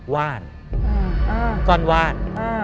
ว่านก้อนว่าน